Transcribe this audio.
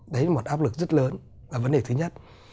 đấy là một áp lực rất lớn và vấn đề thứ nhất